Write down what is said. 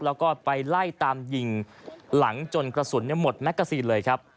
แล้วก็ไปไล่ตามยิงหลังจนกระสุนหมดแมกกาซีนเลยครับ